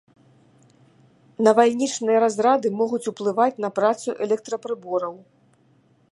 Навальнічныя разрады могуць уплываць на працу электрапрыбораў.